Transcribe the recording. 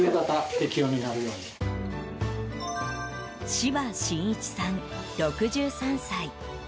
芝伸一さん、６３歳。